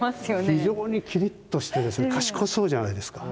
非常にきりっとして賢そうじゃないですか。